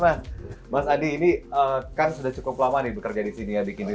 kami terus terb dominant melalui tim mengisi